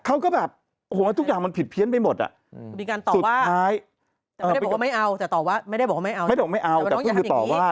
เขาก็แบบโอ้โหทุกอย่างมันผิดเพี้ยนไปหมดอ่ะ